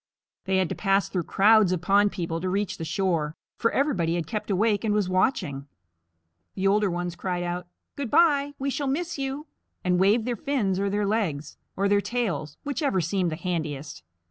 They had to pass through crowds of pond people to reach the shore, for everybody had kept awake and was watching. The older ones cried out, "Good bye; we shall miss you," and waved their fins or their legs, or their tails, whichever seemed the handiest.